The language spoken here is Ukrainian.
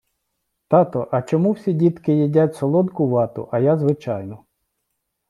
Тато, а чому всі дітки їдять солодку вату, а я звичайну?